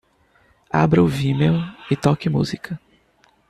Abra o Vimeo e toque música.